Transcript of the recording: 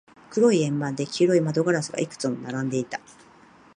黒い円盤で、黄色い窓ガラスがいくつも並んでいた。